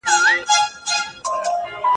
زه به سبا تکړښت کوم.